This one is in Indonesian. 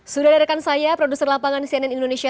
sudah dari rekan saya produser lapangan cnn indonesia sabila destur